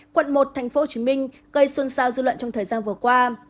quận một tp hcm gây xuân sao dư luận trong thời gian vừa qua